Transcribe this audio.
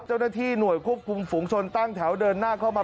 เจ้าหน้าที่หน่วยควบคุมฝูงชนตั้งแถวเดินหน้าเข้ามา